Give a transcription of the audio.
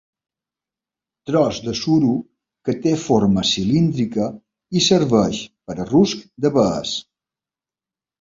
Tros de suro que té forma cilíndrica i serveix per a rusc d'abelles.